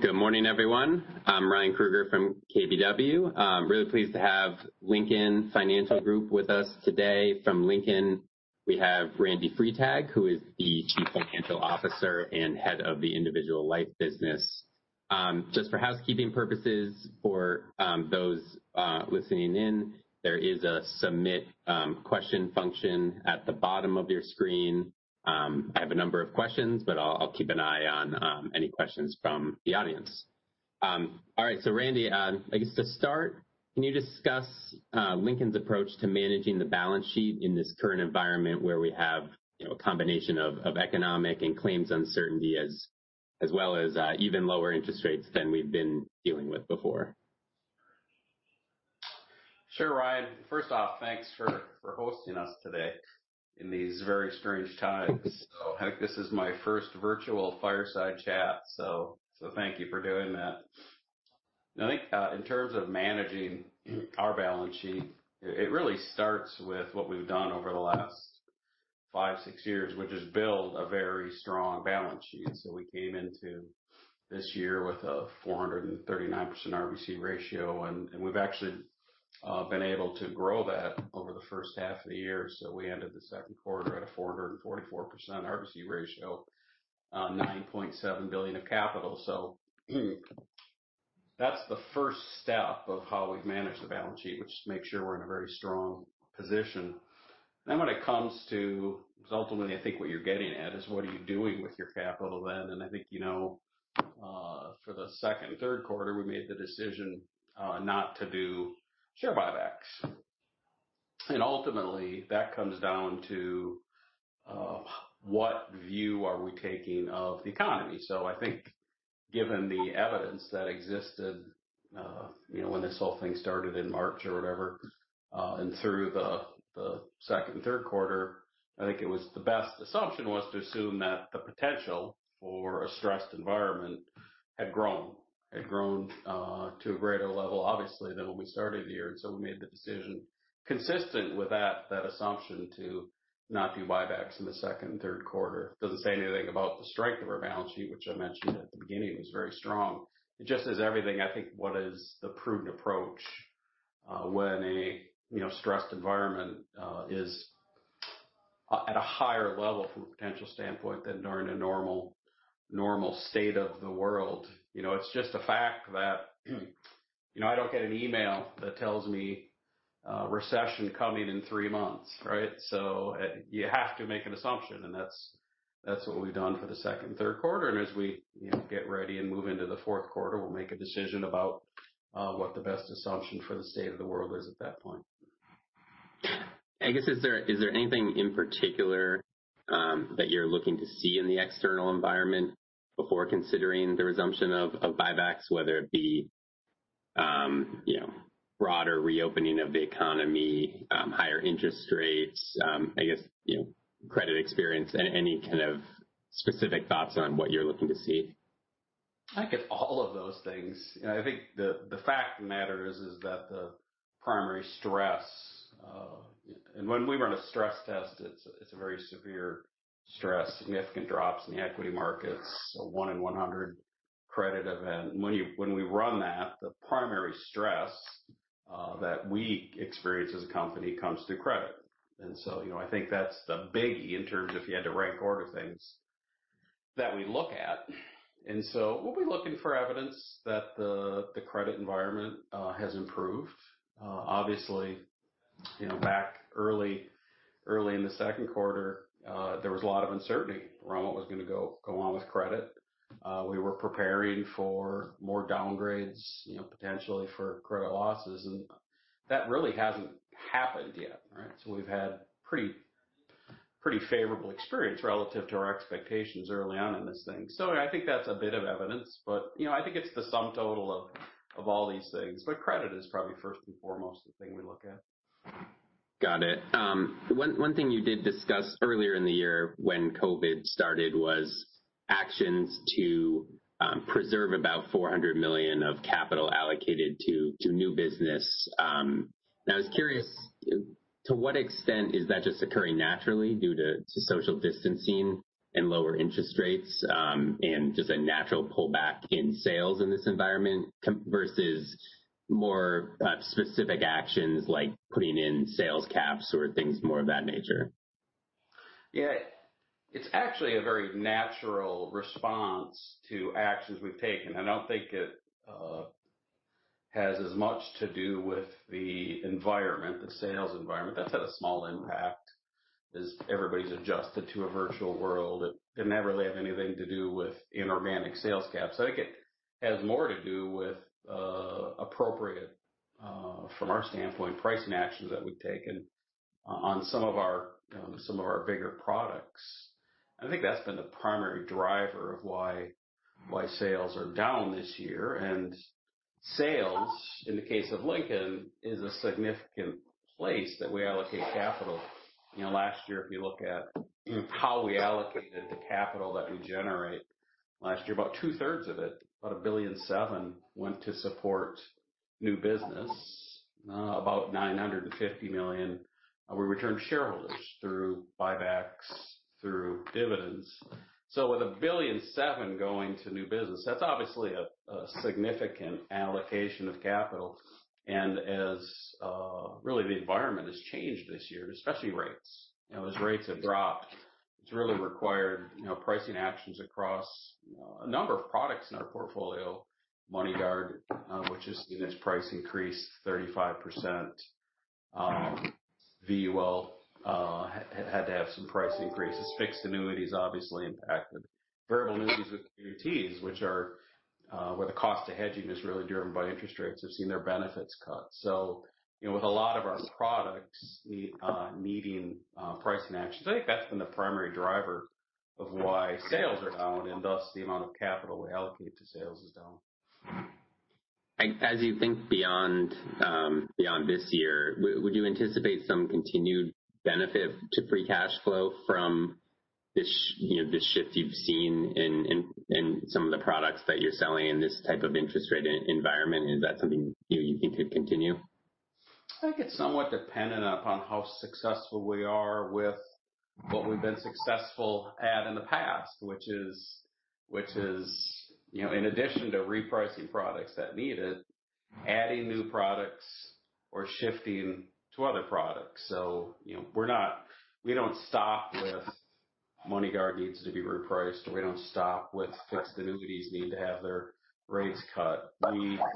Good morning, everyone. I'm Ryan Krueger from KBW. I'm really pleased to have Lincoln Financial Group with us today. From Lincoln, we have Randy Freitag, who is the Chief Financial Officer and head of the individual life business. Just for housekeeping purposes for those listening in, there is a submit question function at the bottom of your screen. I have a number of questions, but I'll keep an eye on any questions from the audience. All right, Randy, I guess to start, can you discuss Lincoln's approach to managing the balance sheet in this current environment where we have a combination of economic and claims uncertainty, as well as even lower interest rates than we've been dealing with before? Sure, Ryan. First off, thanks for hosting us today in these very strange times. I think this is my first virtual fireside chat, thank you for doing that. I think in terms of managing our balance sheet, it really starts with what we've done over the last five, six years, which is build a very strong balance sheet. We came into this year with a 439% RBC ratio, and we've actually been able to grow that over the first half of the year. We ended the second quarter at a 444% RBC ratio, $9.7 billion of capital. That's the first step of how we've managed the balance sheet, which is to make sure we're in a very strong position. When it comes to, because ultimately, I think what you're getting at is what are you doing with your capital then? I think for the second and third quarter, we made the decision not to do share buybacks. Ultimately, that comes down to what view are we taking of the economy. I think given the evidence that existed when this whole thing started in March or whatever, and through the second and third quarter, I think the best assumption was to assume that the potential for a stressed environment had grown to a greater level, obviously, than when we started the year. We made the decision consistent with that assumption to not do buybacks in the second and third quarter. Doesn't say anything about the strength of our balance sheet, which I mentioned at the beginning was very strong. Just as everything, I think what is the prudent approach when a stressed environment is at a higher level from a potential standpoint than during a normal state of the world. It's just a fact that I don't get an email that tells me recession coming in three months, right? You have to make an assumption, and that's what we've done for the second and third quarter. As we get ready and move into the fourth quarter, we'll make a decision about what the best assumption for the state of the world is at that point. I guess, is there anything in particular that you're looking to see in the external environment before considering the resumption of buybacks, whether it be broader reopening of the economy, higher interest rates, I guess credit experience? Any kind of specific thoughts on what you're looking to see? I think if all of those things. I think the fact of the matter is that the primary stress, and when we run a stress test, it's a very severe stress, significant drops in the equity markets, a one in 100 credit event. When we run that, the primary stress that we experience as a company comes through credit. I think that's the biggie in terms of if you had to rank order things that we look at. We'll be looking for evidence that the credit environment has improved. Obviously back early in the second quarter, there was a lot of uncertainty around what was going to go on with credit. We were preparing for more downgrades, potentially for credit losses, and that really hasn't happened yet, right? We've had pretty favorable experience relative to our expectations early on in this thing. I think that's a bit of evidence, but I think it's the sum total of all these things, but credit is probably first and foremost the thing we look at. Got it. One thing you did discuss earlier in the year when COVID started was actions to preserve about $400 million of capital allocated to new business. I was curious, to what extent is that just occurring naturally due to social distancing and lower interest rates, and just a natural pullback in sales in this environment versus more specific actions like putting in sales caps or things more of that nature? Yeah. It's actually a very natural response to actions we've taken. I don't think it has as much to do with the environment, the sales environment. That's had a small impact as everybody's adjusted to a virtual world. It didn't really have anything to do with inorganic sales caps. I think it has more to do with appropriate from our standpoint, pricing actions that we've taken on some of our bigger products. I think that's been the primary driver of why sales are down this year. Sales, in the case of Lincoln, is a significant place that we allocate capital. Last year, if you look at how we allocated the capital that we generate last year, about two-thirds of it, about $1.7 billion, went to support New Business, about $950 million we returned to shareholders through buybacks, through dividends. With $1.7 billion going to New Business, that's obviously a significant allocation of capital, and as really the environment has changed this year, especially rates. As rates have dropped, it's really required pricing actions across a number of products in our portfolio. MoneyGuard, which has seen its price increase 35%. VUL had to have some price increases. Fixed annuities obviously impacted. Variable annuities with guarantees, which are where the cost of hedging is really driven by interest rates, have seen their benefits cut. With a lot of our products needing pricing actions, I think that's been the primary driver of why sales are down and thus the amount of capital we allocate to sales is down. As you think beyond this year, would you anticipate some continued benefit to free cash flow from this shift you've seen in some of the products that you're selling in this type of interest rate environment? Is that something you think could continue? I think it's somewhat dependent upon how successful we are with what we've been successful at in the past, which is in addition to repricing products that need it, adding new products or shifting to other products. We don't stop with MoneyGuard needs to be repriced, or we don't stop with fixed annuities need to have their rates cut. We are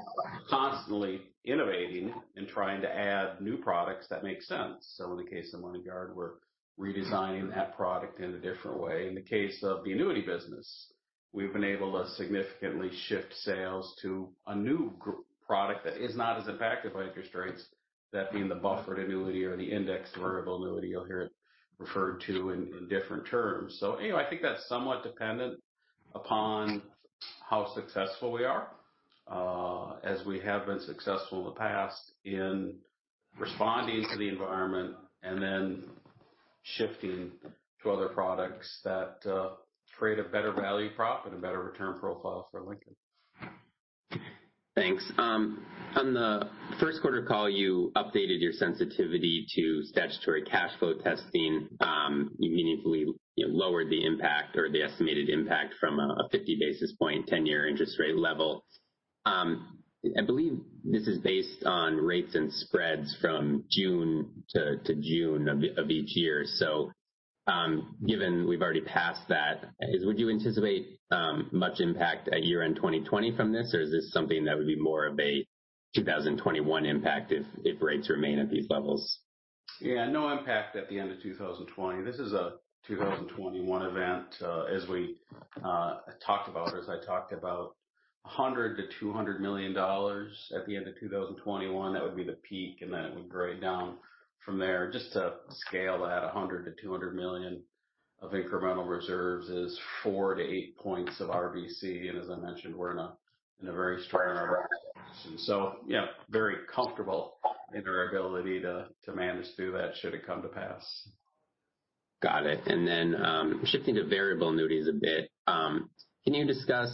constantly innovating and trying to add new products that make sense. In the case of MoneyGuard, we're redesigning that product in a different way. In the case of the annuity business, we've been able to significantly shift sales to a new product that is not as impacted by interest rates, that being the buffered annuity or the indexed variable annuity. You'll hear it referred to in different terms. Anyway, I think that's somewhat dependent upon how successful we are, as we have been successful in the past in responding to the environment and then shifting to other products that create a better value prop and a better return profile for Lincoln. Thanks. On the first quarter call, you updated your sensitivity to statutory cash flow testing, meaningfully lowered the impact or the estimated impact from a 50 basis points 10-year interest rate level. I believe this is based on rates and spreads from June to June of each year. Given we've already passed that, would you anticipate much impact at year-end 2020 from this, or is this something that would be more of a 2021 impact if rates remain at these levels? No impact at the end of 2020. This is a 2021 event. As we talked about, or as I talked about, $100 million-$200 million at the end of 2021, that would be the peak, and then it would grade down from there. Just to scale that, $100 million-$200 million of incremental reserves is four to eight points of RBC, and as I mentioned, we're in a very strong RBC position. Very comfortable in our ability to manage through that should it come to pass. Got it, then shifting to variable annuities a bit. Can you discuss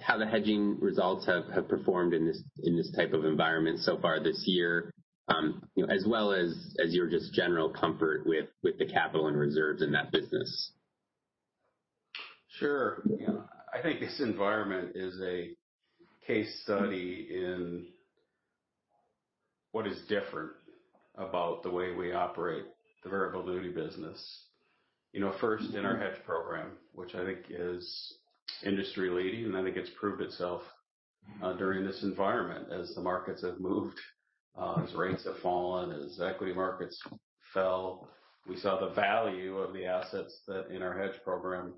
how the hedging results have performed in this type of environment so far this year? As well as your just general comfort with the capital and reserves in that business. Sure. I think this environment is a case study in what is different about the way we operate the variable annuity business. First, in our hedge program, which I think is industry leading, it's proved itself during this environment as the markets have moved, as rates have fallen, as equity markets fell. We saw the value of the assets that in our hedge program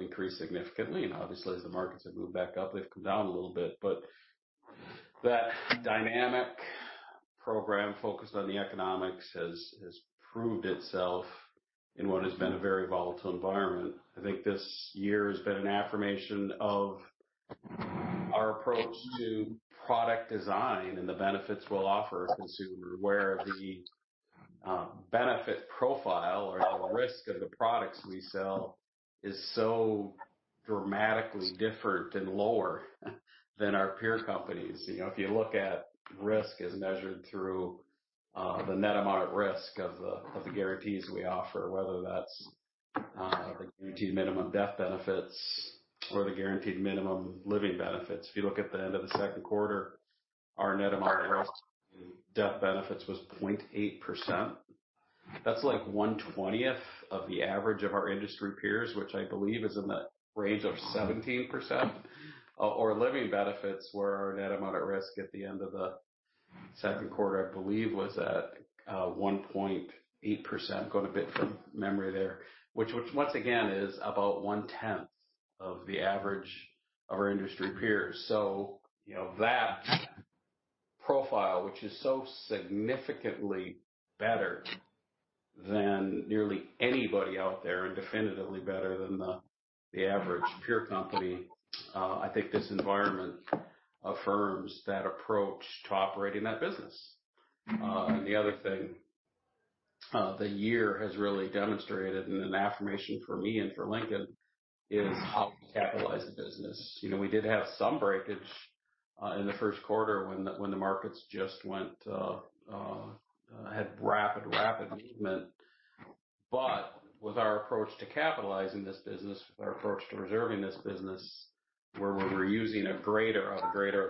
increased significantly. Obviously, as the markets have moved back up, they've come down a little bit. That dynamic program focused on the economics has proved itself in what has been a very volatile environment. I think this year has been an affirmation of our approach to product design and the benefits we'll offer a consumer where the benefit profile or the risk of the products we sell is so dramatically different and lower than our peer companies. If you look at risk as measured through the net amount at risk of the guarantees we offer, whether that's the Guaranteed Minimum Death Benefit or the Guaranteed Minimum Living Benefits. If you look at the end of the second quarter, our net amount at risk in death benefits was 0.8%. That's like one-twentieth of the average of our industry peers, which I believe is in the range of 17%, or living benefits where our net amount at risk at the end of the second quarter, I believe, was at 1.8%, going a bit from memory there. Once again is about one-tenth of the average of our industry peers. That profile, which is so significantly better than nearly anybody out there and definitively better than the average peer company, I think this environment affirms that approach to operating that business. The other thing the year has really demonstrated, and an affirmation for me and for Lincoln, is how we capitalize the business. We did have some breakage in the first quarter when the markets just had rapid movement. With our approach to capitalizing this business, with our approach to reserving this business, where we're using a greater of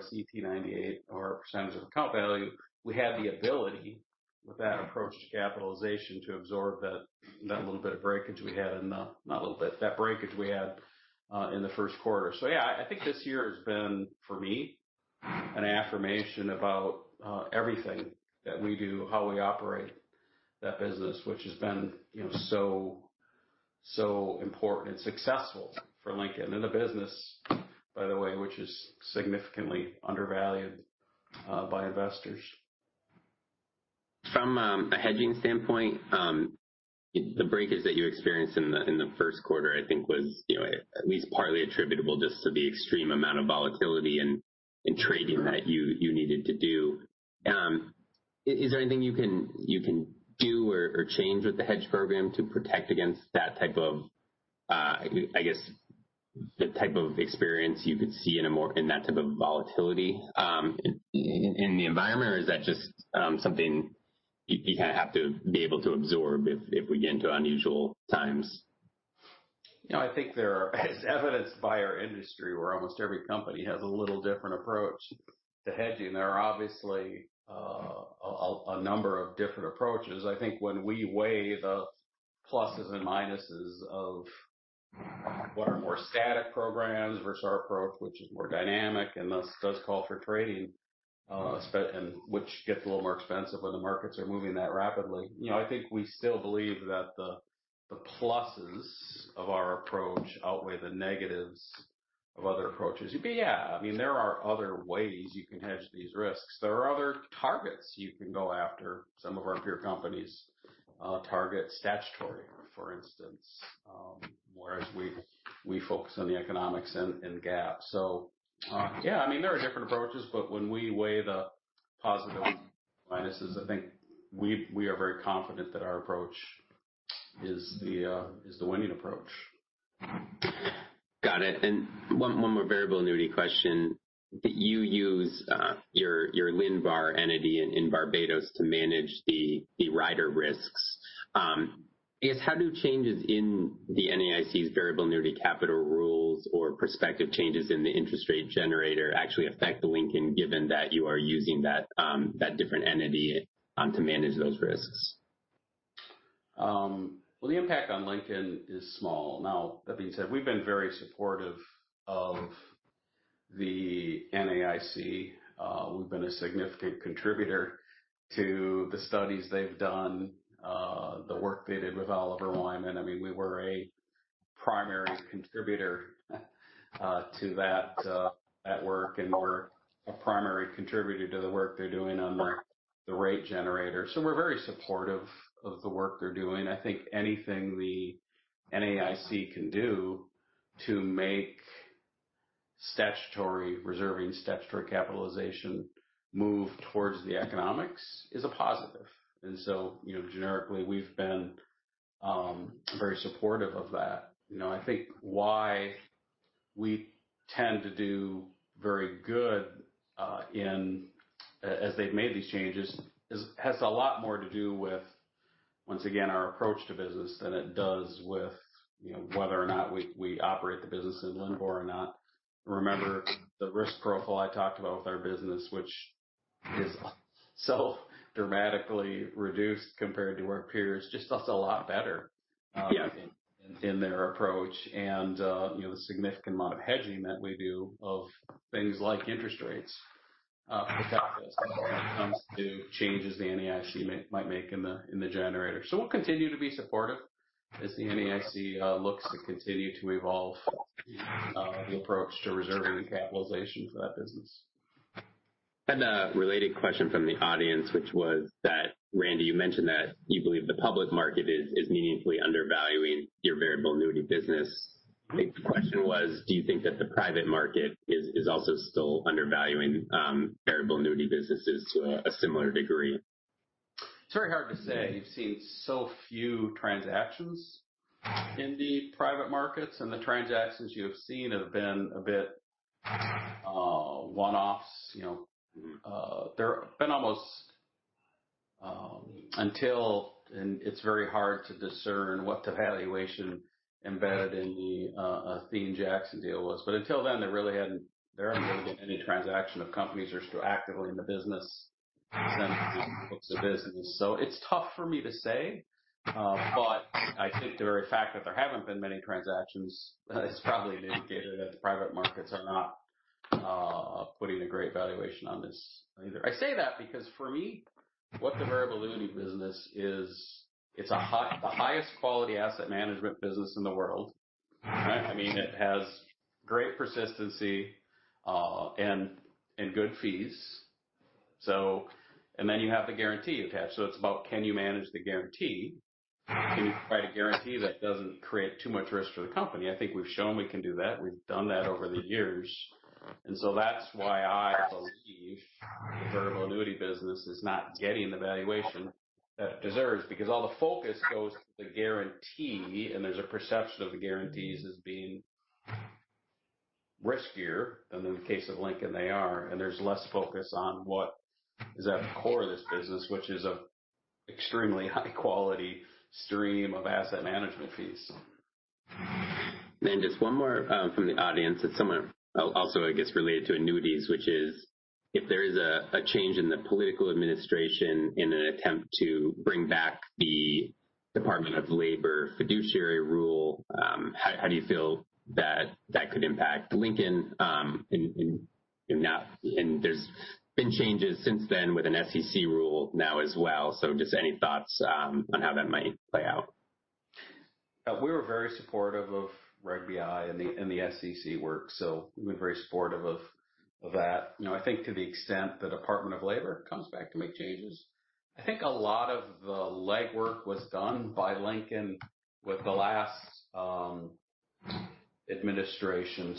CTE 98 or a percentage of account value, we had the ability with that approach to capitalization to absorb that breakage we had in the first quarter. I think this year has been, for me, an affirmation about everything that we do, how we operate that business, which has been so important and successful for Lincoln and the business, by the way, which is significantly undervalued by investors. From a hedging standpoint, the breakage that you experienced in the first quarter, I think was at least partly attributable just to the extreme amount of volatility and trading that you needed to do. Is there anything you can do or change with the hedge program to protect against that type of experience you could see in that type of volatility in the environment, or is that just something you have to be able to absorb if we get into unusual times? I think there are, as evidenced by our industry, where almost every company has a little different approach to hedging. There are obviously a number of different approaches. I think when we weigh the pluses and minuses of what are more static programs versus our approach, which is more dynamic and thus does call for trading, which gets a little more expensive when the markets are moving that rapidly. I think we still believe that the pluses of our approach outweigh the negatives of other approaches. Yeah, there are other ways you can hedge these risks. There are other targets you can go after. Some of our peer companies target statutory, for instance, whereas we focus on the economics and GAAP. Yeah, there are different approaches, but when we weigh the positives and minuses, I think we are very confident that our approach is the winning approach. Got it. One more variable annuity question. That you use your Linbar entity in Barbados to manage the rider risks. I guess, how do changes in the NAIC's variable annuity capital rules or prospective changes in the interest rate generator actually affect the Lincoln, given that you are using that different entity to manage those risks? Well, the impact on Lincoln is small. Now, that being said, we've been very supportive of the NAIC. We've been a significant contributor to the studies they've done, the work they did with Oliver Wyman. We were a primary contributor to that work, and we're a primary contributor to the work they're doing on the rate generator. We're very supportive of the work they're doing. I think anything the NAIC can do to make reserving statutory capitalization move towards the economics is a positive. Generically, we've been very supportive of that. I think why we tend to do very good as they've made these changes has a lot more to do with, once again, our approach to business than it does with whether or not we operate the business in Linbar or not. Remember the risk profile I talked about with our business, which is so dramatically reduced compared to our peers, just us a lot better. Yeah in their approach and the significant amount of hedging that we do of things like interest rates protect us when it comes to changes the NAIC might make in the generator. We'll continue to be supportive as the NAIC looks to continue to evolve the approach to reserving and capitalization for that business. Had a related question from the audience, which was that, Randy, you mentioned that you believe the public market is meaningfully undervaluing your variable annuity business. I think the question was, do you think that the private market is also still undervaluing variable annuity businesses to a similar degree? It's very hard to say. You've seen so few transactions in the private markets, and the transactions you have seen have been a bit one-offs. There have been almost until, and it's very hard to discern what the valuation embedded in the Athene Jackson deal was. Until then, there really hadn't been any transaction of companies who are still actively in the business selling these books of business. It's tough for me to say, I think the very fact that there haven't been many transactions is probably an indicator that the private markets are not putting a great valuation on this either. I say that because, for me, what the variable annuity business is, it's the highest quality asset management business in the world. Right. It has great persistency and good fees. Then you have the guarantee you've had. It's about can you manage the guarantee? Can you provide a guarantee that doesn't create too much risk for the company? I think we've shown we can do that. We've done that over the years. That's why I believe the variable annuity business is not getting the valuation that it deserves, because all the focus goes to the guarantee, and there's a perception of the guarantees as being riskier than in the case of Lincoln they are, and there's less focus on what is at the core of this business, which is an extremely high-quality stream of asset management fees. just one more from the audience. It's somewhat also, I guess, related to annuities, which is if there is a change in the political administration in an attempt to bring back the Department of Labor Fiduciary Rule, how do you feel that that could impact Lincoln? There's been changes since then with an SEC rule now as well. Just any thoughts on how that might play out? We were very supportive of Reg BI and the SEC work, we're very supportive of that. I think to the extent the Department of Labor comes back to make changes, I think a lot of the legwork was done by Lincoln with the last administration.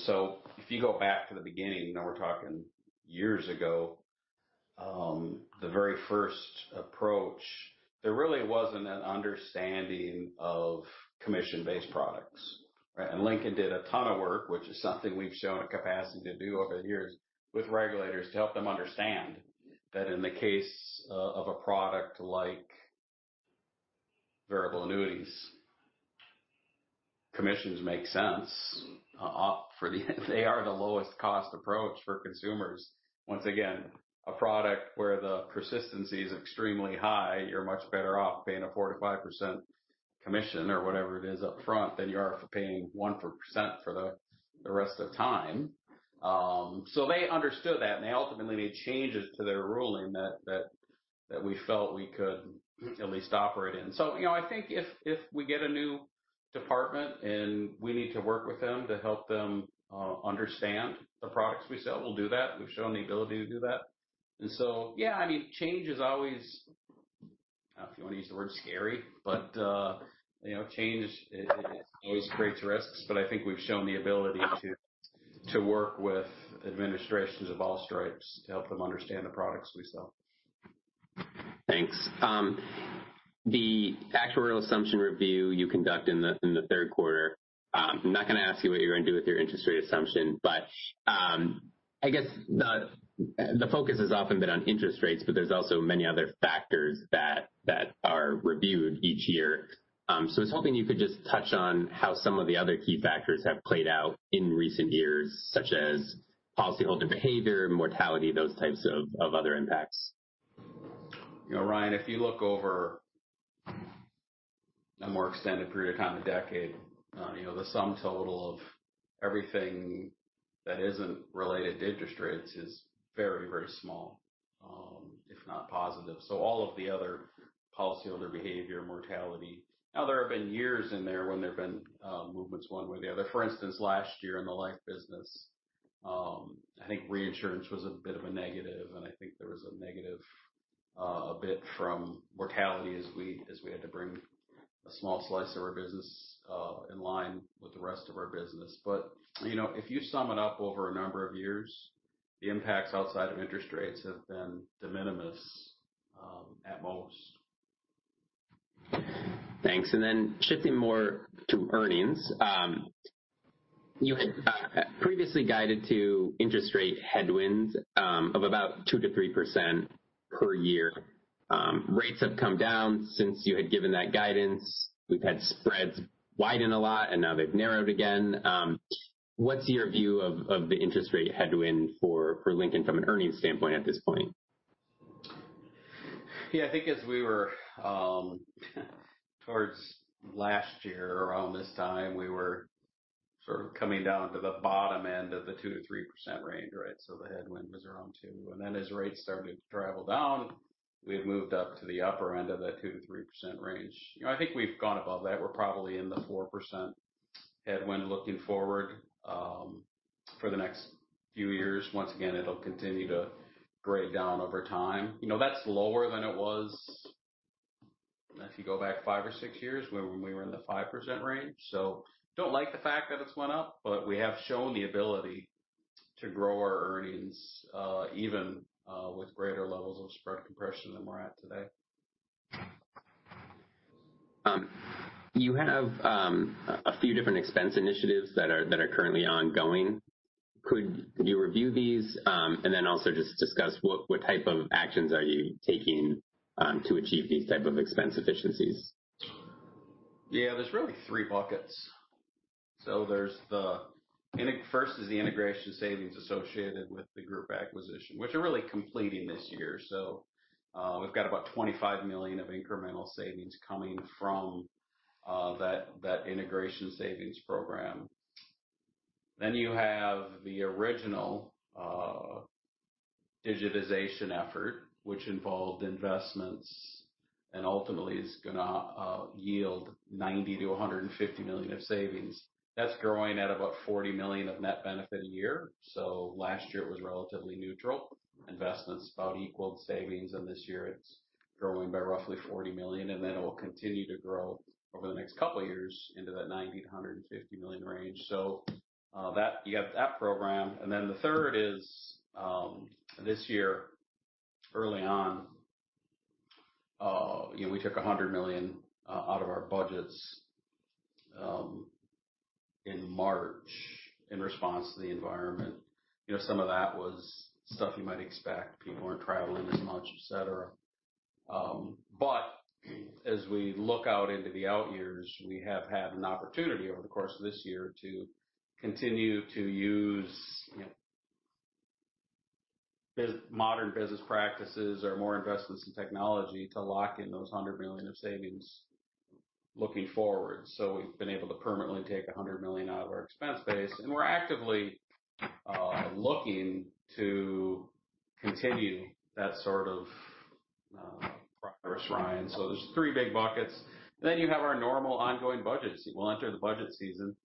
If you go back to the beginning, now we're talking years ago, the very first approach, there really wasn't an understanding of commission-based products, right? Lincoln did a ton of work, which is something we've shown a capacity to do over the years with regulators to help them understand that in the case of a product like variable annuities, commissions make sense. They are the lowest cost approach for consumers. Once again, a product where the persistency is extremely high, you're much better off paying a 4%-5% commission or whatever it is upfront than you are for paying 1% for the rest of time. They understood that, and they ultimately made changes to their ruling that we felt we could at least operate in. I think if we get a new department and we need to work with them to help them understand the products we sell, we'll do that. We've shown the ability to do that. Change is always, I don't know if you want to use the word scary, but change always creates risks, but I think we've shown the ability to work with administrations of all stripes to help them understand the products we sell. Thanks. The actuarial assumption review you conduct in the third quarter, I'm not going to ask you what you're going to do with your interest rate assumption, but I guess the focus has often been on interest rates, but there's also many other factors that are reviewed each year. I was hoping you could just touch on how some of the other key factors have played out in recent years, such as policyholder behavior, mortality, those types of other impacts. Ryan, if you look over a more extended period of time, a decade, the sum total of everything that isn't related to interest rates is very, very small, if not positive. All of the other policyholder behavior, mortality. Now, there have been years in there when there have been movements one way or the other. For instance, last year in the life business, I think reinsurance was a bit of a negative, and I think there was a negative a bit from mortality as we had to bring a small slice of our business in line with the rest of our business. If you sum it up over a number of years, the impacts outside of interest rates have been de minimis at most. Thanks. Shifting more to earnings. You had previously guided to interest rate headwinds of about 2%-3% per year. Rates have come down since you had given that guidance. We've had spreads widen a lot, and now they've narrowed again. What's your view of the interest rate headwind for Lincoln from an earnings standpoint at this point? I think as we were towards last year around this time, we were sort of coming down to the bottom end of the 2%-3% range, right? The headwind was around 2%. As rates started to travel down, we've moved up to the upper end of that 2%-3% range. I think we've gone above that. We're probably in the 4% headwind looking forward for the next few years. Once again, it'll continue to grade down over time. That's lower than it was if you go back five or six years when we were in the 5% range. Don't like the fact that it's went up, we have shown the ability to grow our earnings, even with greater levels of spread compression than we're at today. You have a few different expense initiatives that are currently ongoing. Could you review these? Also just discuss what type of actions are you taking to achieve these type of expense efficiencies? There's really three buckets. First is the integration savings associated with the group acquisition, which are really completing this year. We've got about $25 million of incremental savings coming from that integration savings program. Then you have the original digitization effort, which involved investments and ultimately is going to yield $90 million-$150 million of savings. That's growing at about $40 million of net benefit a year. Last year it was relatively neutral. Investments about equaled savings, and this year it's growing by roughly $40 million, and then it will continue to grow over the next couple of years into that $90 million-$150 million range. You have that program. The third is, this year, early on, we took $100 million out of our budgets in March in response to the environment. Some of that was stuff you might expect. People aren't traveling as much, et cetera. As we look out into the out years, we have had an opportunity over the course of this year to continue to use modern business practices or more investments in technology to lock in those $100 million of savings looking forward. We've been able to permanently take $100 million out of our expense base, and we're actively looking to continue that sort of progress, Ryan. There's three big buckets. You have our normal ongoing budgets. We'll enter the budget season,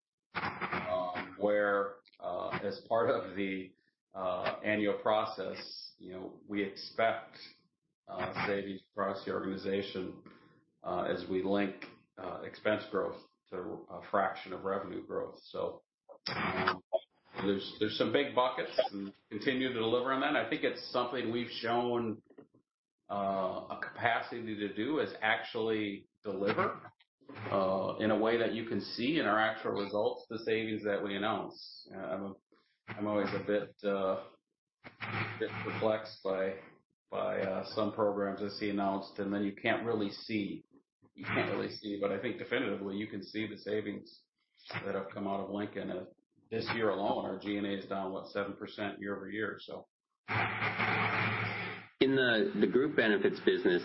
where as part of the annual process, we expect savings across the organization as we link expense growth to a fraction of revenue growth. There's some big buckets, and continue to deliver on that. I think it's something we've shown a capacity to do, is actually deliver in a way that you can see in our actual results, the savings that we announce. I'm always a bit perplexed by some programs I see announced and then you can't really see. I think definitively, you can see the savings that have come out of Lincoln. This year alone, our G&A is down what? 7% year-over-year. In the group benefits business,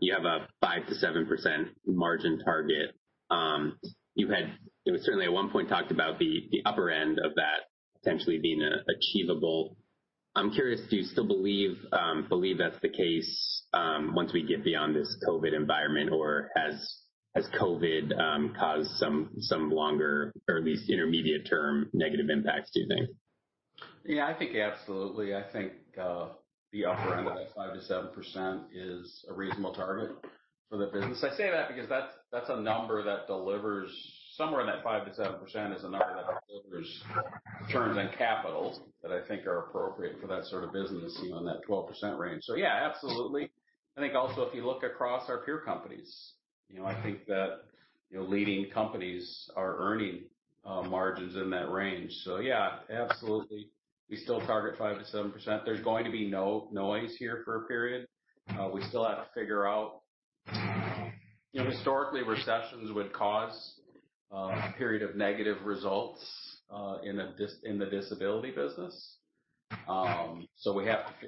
you have a 5%-7% margin target. You had certainly at one point talked about the upper end of that potentially being achievable. I'm curious, do you still believe that's the case once we get beyond this COVID environment? Or has COVID caused some longer, or at least intermediate term negative impacts, do you think? Yeah, I think absolutely. I think the upper end of that 5%-7% is a reasonable target for the business. I say that because that's a number that delivers somewhere in that 5%-7% is a number that delivers returns on capital that I think are appropriate for that sort of business on that 12% range. Yeah, absolutely. I think also if you look across our peer companies, I think that leading companies are earning margins in that range. Yeah, absolutely. We still target 5%-7%. There's going to be noise here for a period. We still have to figure out. Historically, recessions would cause a period of negative results in the disability business.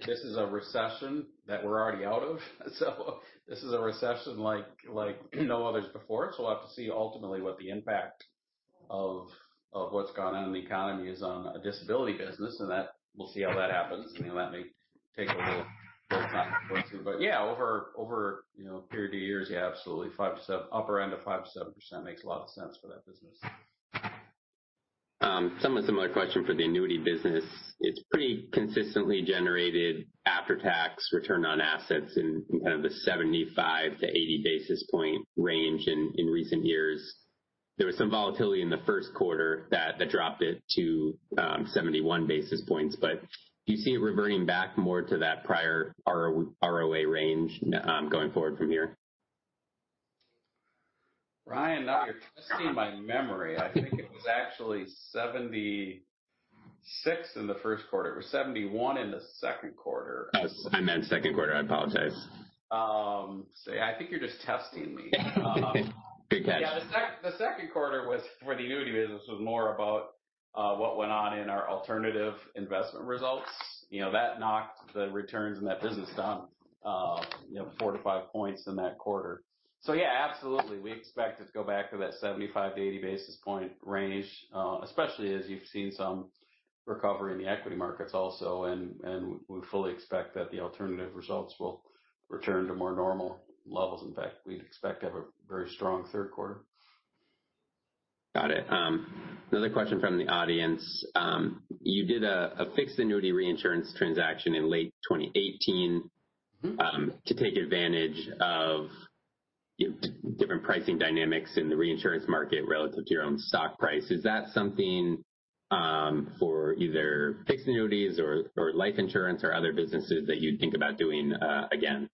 This is a recession that we're already out of so this is a recession like no others before. We'll have to see ultimately what the impact of what's gone on in the economy is on the disability business, and we'll see how that happens, and that may take a little time, of course. Yeah, over a period of years, yeah absolutely, upper end of 5%-7% makes a lot of sense for that business. Similar question for the annuity business. It's pretty consistently generated after-tax return on assets in kind of the 75-80 basis point range in recent years. There was some volatility in the first quarter that dropped it to 71 basis points. Do you see it reverting back more to that prior ROA range going forward from here? Ryan, now you're testing my memory. I think it was actually 76 in the first quarter. It was 71 in the second quarter. I meant second quarter. I apologize. I think you're just testing me. Could be. Yeah, the second quarter for the annuity business was more about what went on in our alternative investment results. That knocked the returns in that business down four to five points in that quarter. Yeah, absolutely. We expect it to go back to that 75-80 basis point range, especially as you've seen some recovery in the equity markets also, and we fully expect that the alternative results will return to more normal levels. In fact, we'd expect to have a very strong third quarter. Got it. Another question from the audience. You did a fixed annuity reinsurance transaction in late 2018- to take advantage of different pricing dynamics in the reinsurance market relative to your own stock price. Is that something for either fixed annuities or life insurance or other businesses that you'd think about doing again?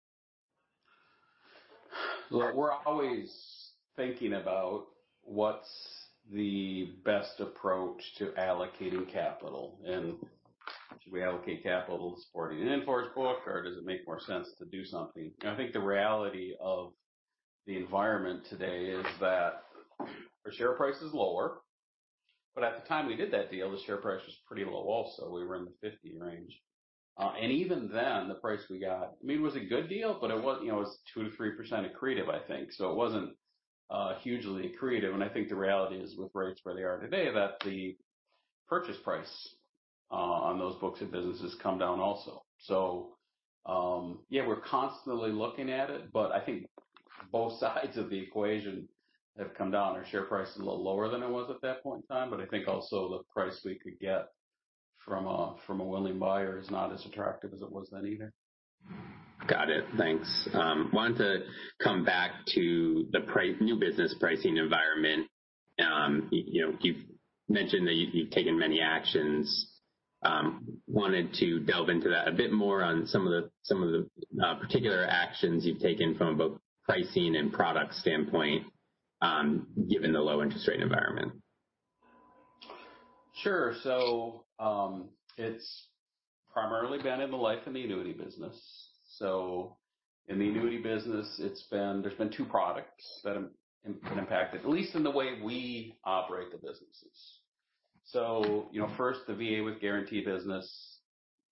Look, we're always thinking about what's the best approach to allocating capital, and should we allocate capital to supporting an in-force book, or does it make more sense to do something? I think the reality of the environment today is that our share price is lower, but at the time we did that deal, the share price was pretty low also. We were in the 50 range. Even then, the price we got, I mean, it was a good deal, but it was 2%-3% accretive, I think. It wasn't hugely accretive, and I think the reality is with rates where they are today, that the purchase price on those books of business has come down also. Yeah, we're constantly looking at it, but I think both sides of the equation have come down. Our share price is a little lower than it was at that point in time, I think also the price we could get from a willing buyer is not as attractive as it was then either. Got it. Thanks. Wanted to come back to the new business pricing environment. You've mentioned that you've taken many actions. Wanted to delve into that a bit more on some of the particular actions you've taken from both pricing and product standpoint, given the low interest rate environment. Sure. It's primarily been in the life and the annuity business. In the annuity business, there's been two products that have been impacted, at least in the way we operate the businesses. First, the VA with guarantee business,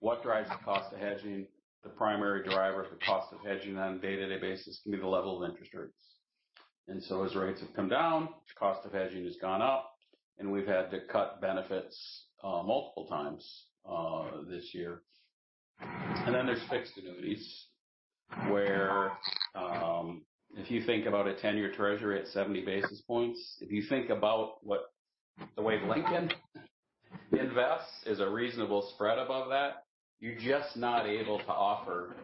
what drives the cost of hedging? The primary driver of the cost of hedging on a day-to-day basis can be the level of interest rates. As rates have come down, cost of hedging has gone up, and we've had to cut benefits multiple times this year. There's fixed annuities, where if you think about a 10-year treasury at 70 basis points, if you think about the way Lincoln invests is a reasonable spread above that, you're just not able to offer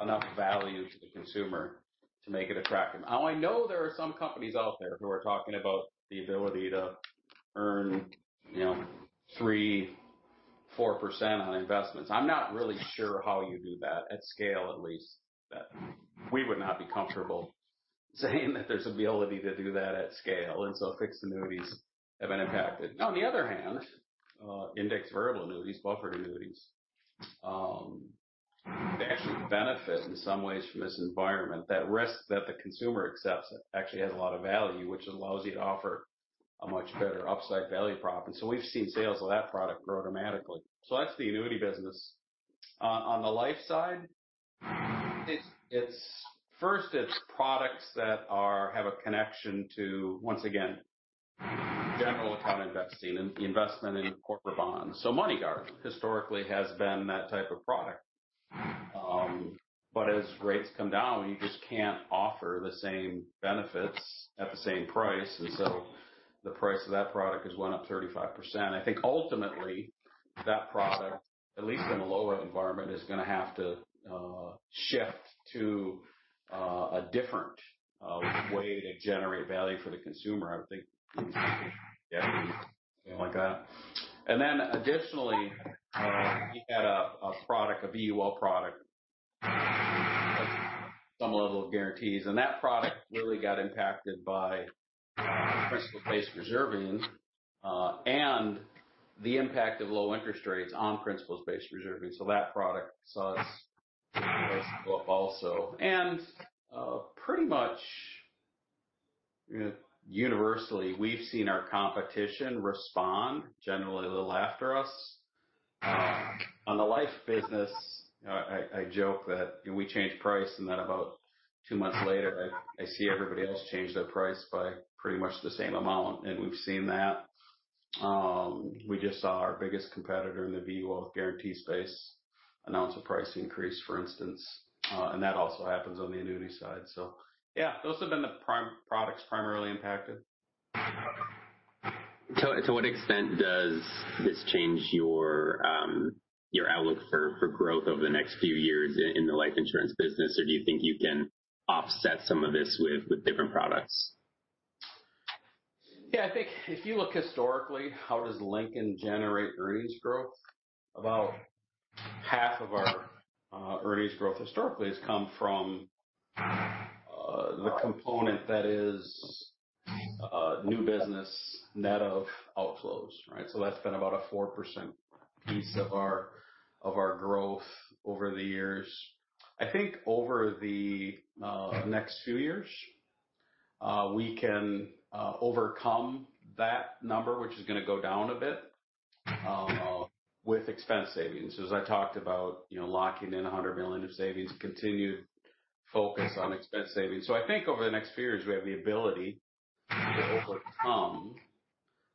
enough value to the consumer to make it attractive. Now I know there are some companies out there who are talking about the ability to earn 3%, 4% on investments. I'm not really sure how you do that at scale, at least. We would not be comfortable saying that there's ability to do that at scale, fixed annuities have been impacted. On the other hand, indexed variable annuities, buffered annuities they actually benefit in some ways from this environment. That risk that the consumer accepts actually has a lot of value, which allows you to offer a much better upside value prop. We've seen sales of that product grow dramatically. That's the annuity business. On the life side, first it's products that have a connection to, once again, general account investing and the investment in corporate bonds. MoneyGuard historically has been that type of product. As rates come down, you just can't offer the same benefits at the same price. The price of that product has gone up 35%. I think ultimately that product, at least in a lower environment, is going to have to shift to a different way to generate value for the consumer. I would think like that. Additionally we've got a product, a VUL product some level of guarantees, and that product really got impacted by principles-based reserving and the impact of low interest rates on principles-based reserving. That product saw its go up also. Pretty much universally, we've seen our competition respond generally a little after us. On the life business, I joke that we change price and then about two months later, I see everybody else change their price by pretty much the same amount, we've seen that. We just saw our biggest competitor in the VUL guarantee space announce a price increase, for instance. That also happens on the annuity side. Yeah, those have been the products primarily impacted. To what extent does this change your outlook for growth over the next few years in the life insurance business? Do you think you can offset some of this with different products? Yeah, I think if you look historically, how does Lincoln generate earnings growth? About half of our earnings growth historically has come from the component that is new business net of outflows, right? That's been about a 4% piece of our growth over the years. I think over the next few years, we can overcome that number, which is going to go down a bit with expense savings. As I talked about locking in $100 million of savings, continued focus on expense savings. I think over the next few years, we have the ability to overcome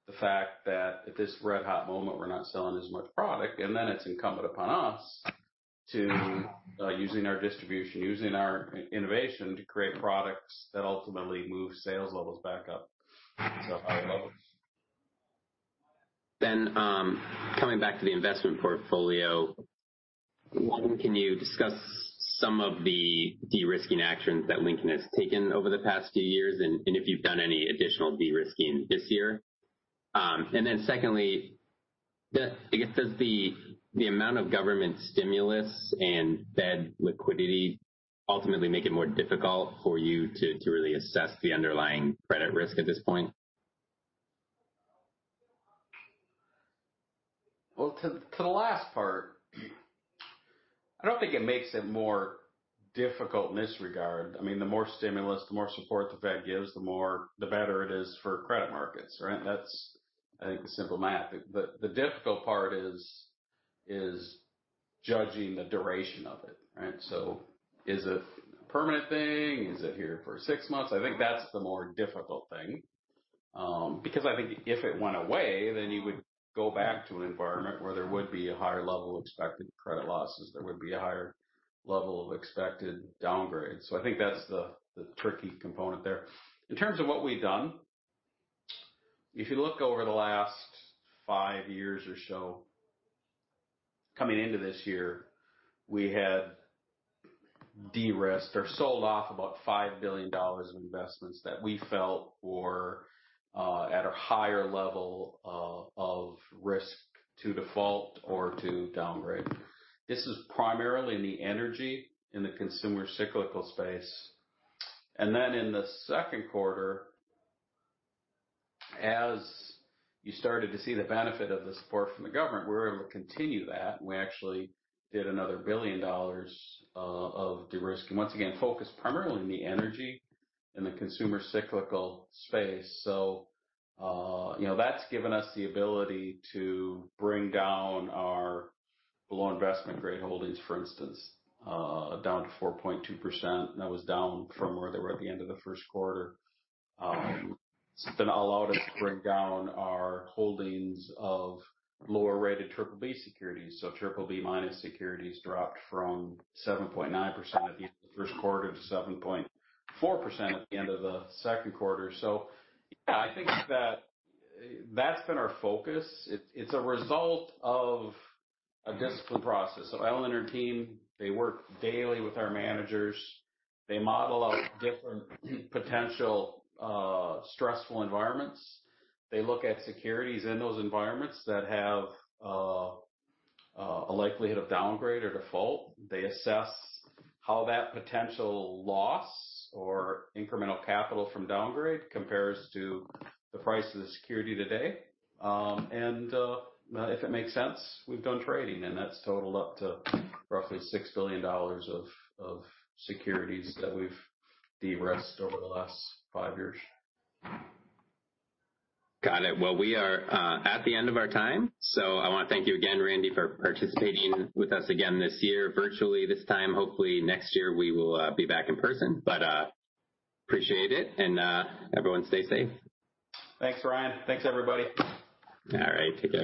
the fact that at this red hot moment, we're not selling as much product, and then it's incumbent upon us to, using our distribution, using our innovation to create products that ultimately move sales levels back up to higher levels. Coming back to the investment portfolio, one, can you discuss some of the de-risking actions that Lincoln has taken over the past few years? If you've done any additional de-risking this year. Secondly, I guess, does the amount of government stimulus and Fed liquidity ultimately make it more difficult for you to really assess the underlying credit risk at this point? To the last part, I don't think it makes it more difficult in this regard. The more stimulus, the more support the Fed gives, the better it is for credit markets, right? That's, I think, the simple math. The difficult part is judging the duration of it, right? Is it a permanent thing? Is it here for six months? I think that's the more difficult thing. I think if it went away, then you would go back to an environment where there would be a higher level of expected credit losses. There would be a higher level of expected downgrade. I think that's the tricky component there. In terms of what we've done, if you look over the last five years or so, coming into this year, we had de-risked or sold off about $5 billion of investments that we felt were at a higher level of risk to default or to downgrade. This is primarily in the energy and the consumer cyclical space. In the second quarter, as you started to see the benefit of the support from the government, we were able to continue that, and we actually did another $1 billion of de-risking. Once again, focused primarily in the energy and the consumer cyclical space. That's given us the ability to bring down our below investment-grade holdings for instance, down to 4.2%. That was down from where they were at the end of the first quarter. It's been allowed us to bring down our holdings of lower-rated BBB securities. BBB minus securities dropped from 7.9% at the end of the first quarter to 7.4% at the end of the second quarter. Yeah, I think that's been our focus. It's a result of a disciplined process. Ellen and her team, they work daily with our managers. They model out different potential stressful environments. They look at securities in those environments that have a likelihood of downgrade or default. They assess how that potential loss or incremental capital from downgrade compares to the price of the security today. If it makes sense, we've done trading, and that's totaled up to roughly $6 billion of securities that we've de-risked over the last five years. Got it. We are at the end of our time. I want to thank you again, Randy, for participating with us again this year, virtually this time. Hopefully, next year we will be back in person. Appreciate it, and, everyone stay safe. Thanks, Ryan. Thanks, everybody. All right. Take care.